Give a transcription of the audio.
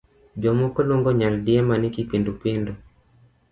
Jomoko luongo nyaldiema ni kipindu pindu.